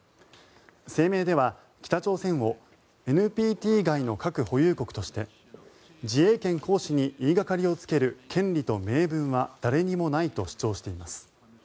声明では北朝鮮をＮＰＴ外の核保有国として自衛権行使に言いがかりをつける権利と名分は誰にもないと主張しています。